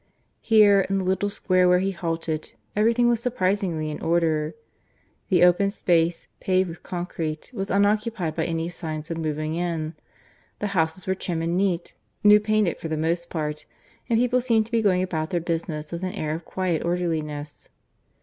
Here, in the little square where he halted, everything was surprisingly in order. The open space, paved with concrete, was unoccupied by any signs of moving in; the houses were trim and neat, new painted for the most part; and people seemed to be going about their business with an air of quiet orderliness.